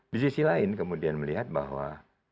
di sisi lain kemudian melihat bahwa